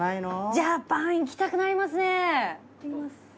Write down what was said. ジャパンいきたくなりますね。